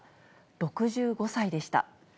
６５歳でした。